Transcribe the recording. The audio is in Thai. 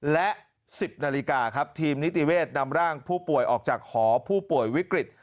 และ๑๐นาฬิกาครับทีมนิติเวศนำร่างผู้ป่วยออกจากหอผู้ป่วยวิกฤต